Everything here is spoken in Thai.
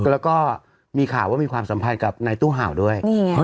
แล้วก็มีข่าวว่ามีความสัมพันธ์กับนายตู้เห่าด้วย